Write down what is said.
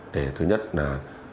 để thứ nhất là